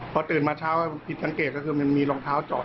พอตื่นมาเช้าผิดสังเกตก็คือมันมีรองเท้าจอด